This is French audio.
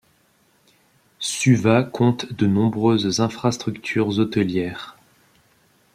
Suva compte de nombreuses infrastructures hôtelières.